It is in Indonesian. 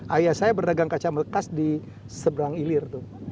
ayah saya berdagang kaca bekas di seberang ilir